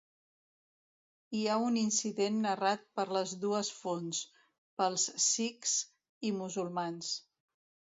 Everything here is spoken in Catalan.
Hi ha un incident narrat per les dues fonts, pels sikhs i musulmans.